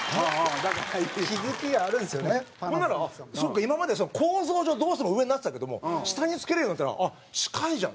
今まで、構造上どうしても上になってたけども下につけるようになったら近いじゃん。